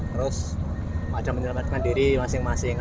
terus ada menyelamatkan diri masing masing